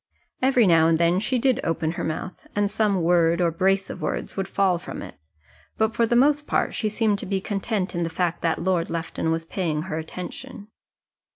Every now and then she did open her mouth, and some word or brace of words would fall from it. But for the most part she seemed to be content in the fact that Lord Lufton was paying her attention.